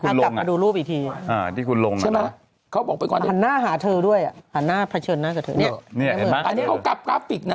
กลับอีกทีอย่างอ่าที่คุณลงนะคือมาเขาบอกไปขนาดตัวด้วยอ่ะอ่ะหน้าชนัดนะสักความเที่ยวพักปิตหน้า